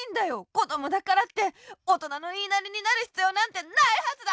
こどもだからっておとなのいいなりになるひつようなんてないはずだ！